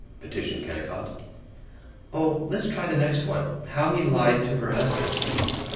petitioned Kennicott. "Oh, let's try the next one, 'How He Lied to Her Husband.'"